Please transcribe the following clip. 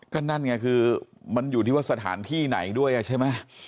ก็นั่นไงคือมันอยู่ที่ว่าสถานที่ไหนด้วยใช่ไหม